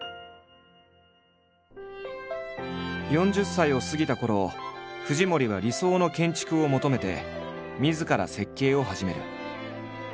４０歳を過ぎたころ藤森は理想の建築を求めてみずから設計を始める。